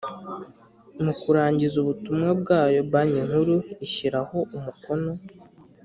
Mu kurangiza ubutumwa bwayo Banki Nkuru ishyiraho umukono